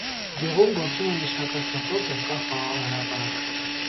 Գյուղում գործում է միջնակարգ դպրոց և կա խաղահրապարակ։